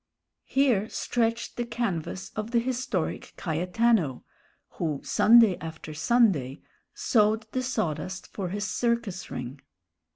Here stretched the canvas of the historic Cayetano, who Sunday after Sunday sowed the sawdust for his circus ring.